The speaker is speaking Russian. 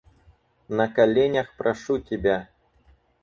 На коленях прошу тебя!